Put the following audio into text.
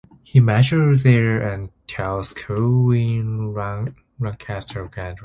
He matured there and taught school in Lancaster County.